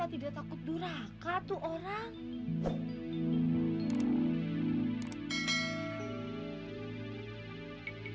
apa tidak takut duraka itu orang